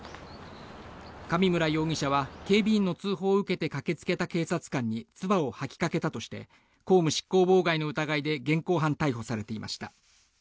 上村容疑者は警備員の通報を受けて駆けつけた警察官につばを吐きかけたとして公務執行妨害の疑いで現行犯逮捕されていました。